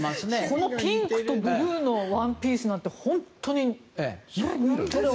このピンクとブルーのワンピースなんて本当に似てますね。